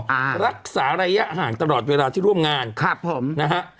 อ่ารักษาระยะห่างตลอดเวลาที่ร่วมงานครับผมนะฮะ